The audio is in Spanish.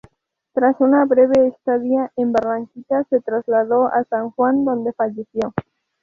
Tras una breve estadía en Barranquitas, se trasladó a San Juan, donde falleció.